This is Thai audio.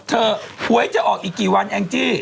หวยจะออกอีกกี่วันแองจี้